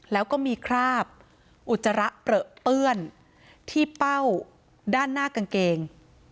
แล้วก็มีคราบอุจจาระเปลือเปื้อนที่เป้าด้านหน้ากางเกง